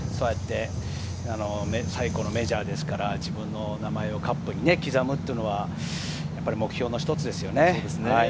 最古のメジャーですから、自分の名前をカップに刻むというのは目標の一つですよね。